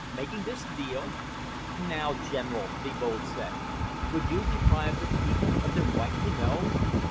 "Making this deal?" "Now, General," Thebold said. "Would you deprive the people of their right to know?